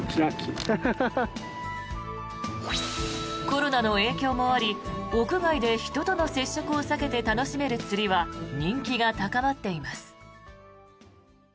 コロナの影響もあり屋外で人との接触を避けて楽しめる釣りは人気が高まっています。